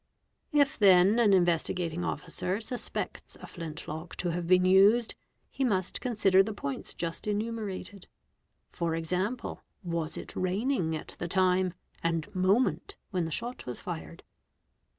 | If then an Investigating Officer suspects a flint lock to have been used, he must consider the points just enumerated. For example, was it rain ing at the time and moment when the shot was fired?